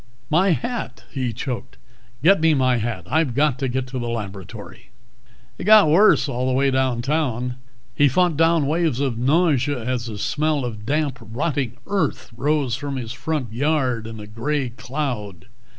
"My hat," he choked. "Get me my hat. I've got to get to the laboratory." It got worse all the way downtown. He fought down waves of nausea as the smell of damp, rotting earth rose from his front yard in a gray cloud.